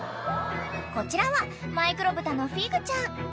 ［こちらはマイクロブタのフィグちゃん］